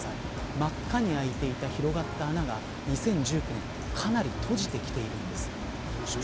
真っ赤に入っていて広がった穴が２０１９年かなり閉じてきているんです。